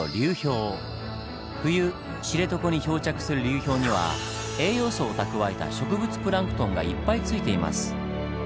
冬知床に漂着する流氷には栄養素を蓄えた植物プランクトンがいっぱいついています。